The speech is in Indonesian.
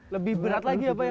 lebih berat lagi apa ya